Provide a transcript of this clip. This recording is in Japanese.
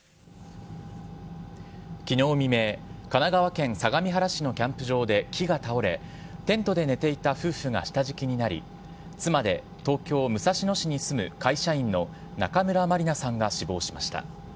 きのう未明、神奈川県相模原市のキャンプ場で木が倒れ、テントで寝ていた夫婦が下敷きになり、妻で東京・武蔵野市に住む会社員の中村まりなさんが死亡しました。